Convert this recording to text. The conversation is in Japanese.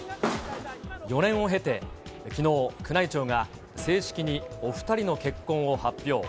４年を経て、きのう、宮内庁が正式にお２人の結婚を発表。